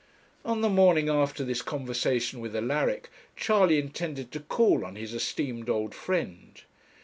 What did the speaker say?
On the morning after this conversation with Alaric, Charley intended to call on his esteemed old friend.